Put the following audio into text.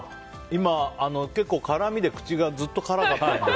今、結構辛みで口がずっと辛かったので。